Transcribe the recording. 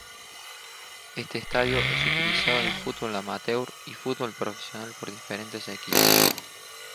Este estadio es utilizado en fútbol amateur y fútbol profesional por diferentes equipos.